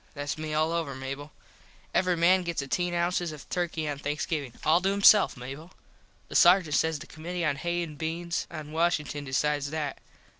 Thats me all over, Mable. Every man gets ateen ounces of Turky on Thanksgivin. All to himself, Mable. The sargent says the commitee on Hays and Beans at Washington decides that.